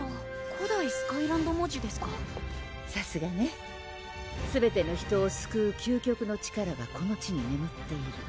古代スカイランド文字ですかさすがね「すべての人をすくう究極の力がこの地にねむっている」